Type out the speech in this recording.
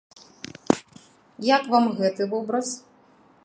Як вам гэты вобраз?